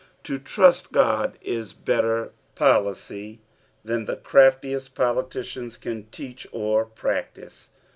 To trust Ood is better policy than the craftiest politicians can teach or practice.